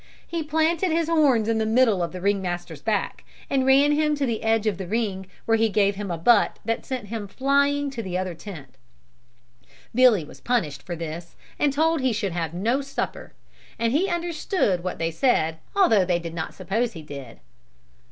He planted his horns in the middle of the ring master's back and ran him to the edge of the ring where he gave him a butt that sent him flying to the other tent. Billy was punished for this and told he should have no supper, and he understood what they said although they did not suppose he did.